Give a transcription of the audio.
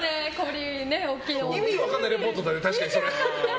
意味分からないリポートだよね。